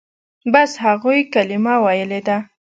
بس هغوى کلمه ويلې ده.